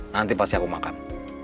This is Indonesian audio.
nanti pasti aku makan